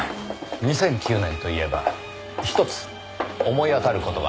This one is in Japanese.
２００９年といえばひとつ思い当たる事があります。